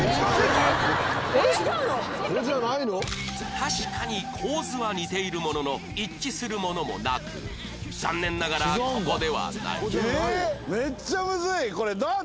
確かに構図は似ているものの一致するものもなく残念ながらここではない